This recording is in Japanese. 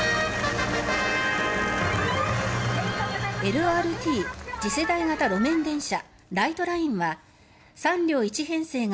ＬＲＴ・次世代型路面電車ライトラインは３両１編成が